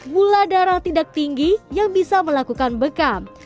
gula darah tidak tinggi yang bisa melakukan bekam